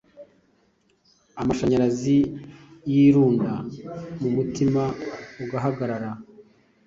amashanyarazi yirunda mu mutima ugahagarara ,